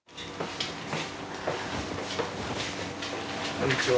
こんにちは。